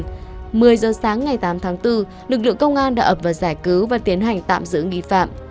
một mươi giờ sáng ngày tám tháng bốn lực lượng công an đã ập vào giải cứu và tiến hành tạm giữ nghi phạm